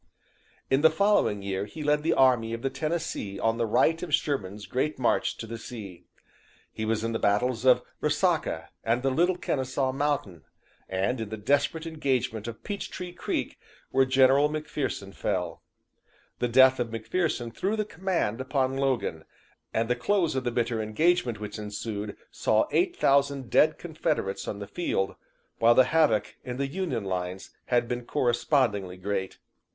"In the following year he led the Army of the Tennessee on the right of Sherman's great march to the sea. He was in the battles of Resaca and the Little Kenesaw Mountain, and in the desperate engagement of Peach Tree Creek where General M'Pherson fell. The death of M'Pherson threw the command upon Logan, and the close of the bitter engagement which ensued saw 8,000 dead Confederates on the field, while the havoc in the Union lines had been correspondingly great.